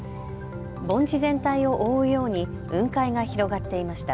盆地全体を覆うように雲海が広がっていました。